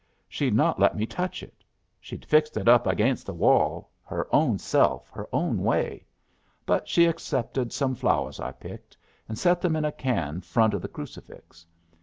She'd not let me touch it. She'd fixed it up agaynst the wall her own self her own way. But she accepted some flowers I picked, and set them in a can front of the crucifix.